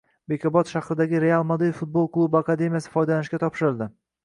Bekobod shahridagi "Real Madrid” futbol klubi akademiyasi foydalanishga topshirildi